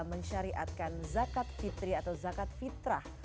mensyariatkan zakat fitri atau zakat fitrah